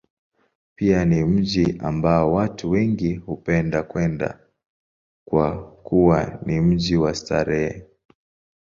Pia ni mji ambao watu wengi hupenda kwenda, kwa kuwa ni mji wa starehe.